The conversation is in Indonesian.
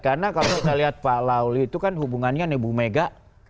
karena kalau kita lihat pak lauli itu kan hubungannya dengan ibu mega